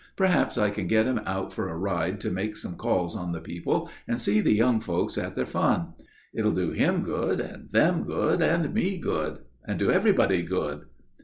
Perhaps I can get him out for a ride to make some calls on the people, and see the young folks at their fun. It'll do him good, and them good, and me good, and everybody good."